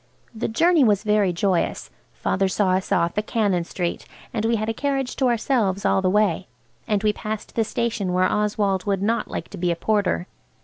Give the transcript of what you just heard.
The journey was very joyous. Father saw us off at Cannon Street, and we had a carriage to ourselves all the way, and we passed the station where Oswald would not like to be a porter.